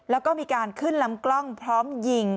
แล้วก็มีการขึ้นลำกล้องพร้อมยิง